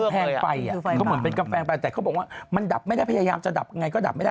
แพงไปอ่ะเขาเหมือนเป็นกาแฟไปแต่เขาบอกว่ามันดับไม่ได้พยายามจะดับยังไงก็ดับไม่ได้